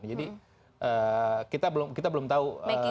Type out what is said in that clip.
jadi kita belum tahu